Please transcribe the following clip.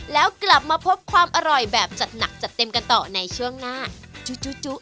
แล้วกลับมาพบความอร่อยแบบจัดหนักจัดเต็มกันต่อในช่วงหน้าจุ